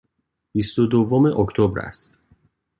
بیست و دوم اکتبر است.